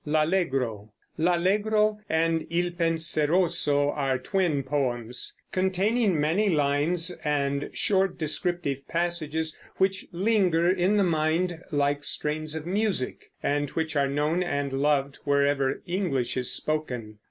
"L'Allegro" and "II Penseroso" are twin poems, containing many lines and short descriptive passages which linger in the mind like strains of music, and which are known and loved wherever English is spoken.